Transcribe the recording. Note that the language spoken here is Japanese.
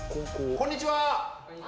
こんにちは！